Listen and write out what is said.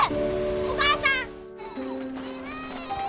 お母さん！